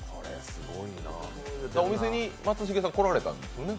お店に松重さん、来られたんですよね。